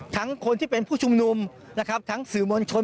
คนที่เป็นผู้ชุมนุมนะครับทั้งสื่อมวลชน